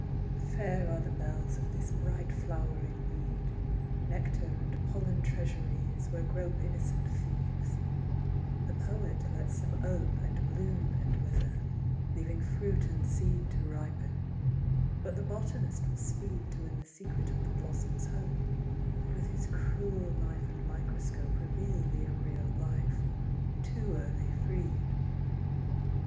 Fair are the bells of this bright flowering weed ; Nectar and pollen treasuries, where grope Innocent thieves â¢ the Poet lets them ope And bloom, and wither, leaving fruit and seed To ripen ; but the Botanist will speed To win the secret of the blossom's hope, And with his cruel knife and microscope Reveal the embryo life, too early freed.